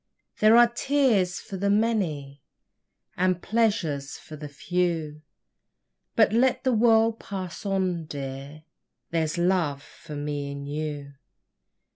There are tears for the many And pleasures for the few; But let the world pass on, dear, There's love for me and you.